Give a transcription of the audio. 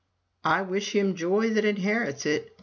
"I wish him joy that inherits it!"